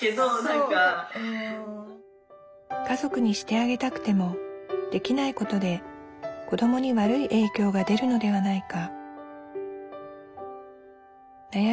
家族にしてあげたくてもできないことで子どもに悪い影響が出るのではないか。